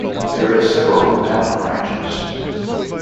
There are several mountain ranges.